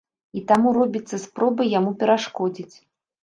І таму робіцца спроба яму перашкодзіць.